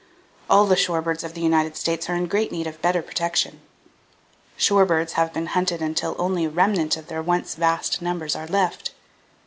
All the shore birds of the United States are in great need of better protection.... Shore birds have been hunted until only a remnant of their once vast numbers are left.